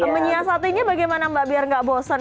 menyiasatinya bagaimana mbak biar enggak bosan